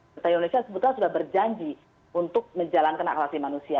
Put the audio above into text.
negara indonesia sebetulnya sudah berjanji untuk menjalankan akalasi manusia